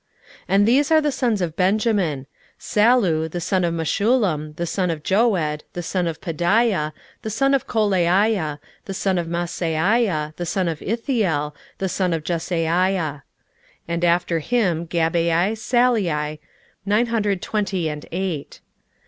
16:011:007 And these are the sons of Benjamin; Sallu the son of Meshullam, the son of Joed, the son of Pedaiah, the son of Kolaiah, the son of Maaseiah, the son of Ithiel, the son of Jesaiah. 16:011:008 And after him Gabbai, Sallai, nine hundred twenty and eight.